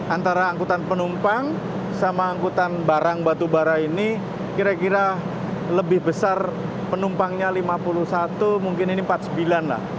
antara angkutan penumpang sama angkutan barang batubara ini kira kira lebih besar penumpangnya lima puluh satu mungkin ini empat puluh sembilan lah